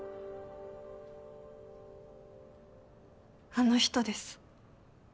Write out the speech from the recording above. あの人です。